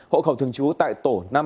hộ khẩu thường trú tại tổ năm